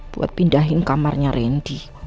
buat pindahin kamarnya randy